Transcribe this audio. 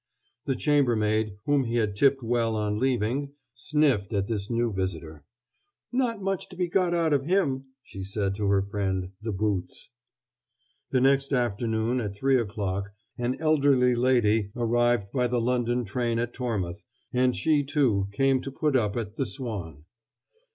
The chambermaid, whom he had tipped well on leaving, sniffed at this new visitor. "Not much to be got out of him," she said to her friend, the boots. The next afternoon at three o'clock an elderly lady arrived by the London train at Tormouth, and she, too, came to put up at the Swan.